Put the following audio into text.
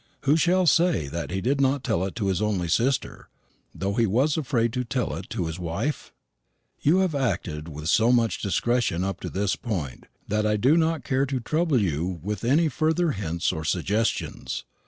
Who shall say that he did not tell it to his only sister, though he was afraid to tell it to his wife? "You have acted with so much discretion up to this point, that I do not care to trouble you with any further hints or suggestions.